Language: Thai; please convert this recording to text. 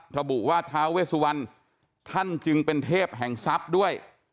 ระบุว่าท้าเวสวันท่านจึงเป็นเทพแห่งทรัพย์ด้วย